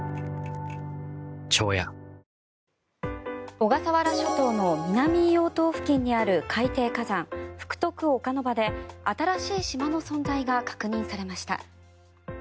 小笠原諸島の南硫黄島付近にある海底火山、福徳岡ノ場で新しい島の存在が確認されました。